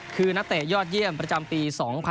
คือนักเตะยอดเยี่ยมประจำปี๒๐๑๖